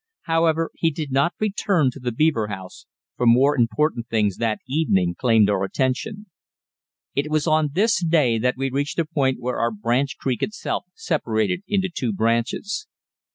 However, he did not return to the beaver house, for more important things that evening claimed our attention. It was on this day that we reached a point where our branch creek itself separated into two branches.